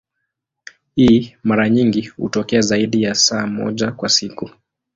Hii mara nyingi hutokea zaidi ya saa moja kwa siku.